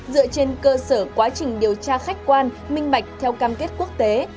dựa trên cơ sở quá trình điều tra khách quan minh bạch theo cam kết quốc tế